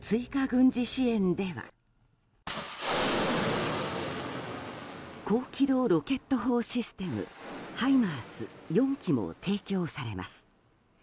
軍事支援では高機動ロケット砲システムハイマース４機も提供されます。